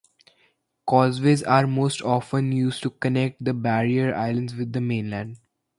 Causeways are most often used to connect the barrier islands with the mainland.